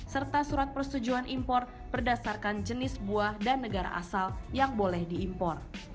serta surat persetujuan impor berdasarkan jenis buah dan negara asal yang boleh diimpor